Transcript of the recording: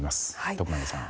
徳永さん。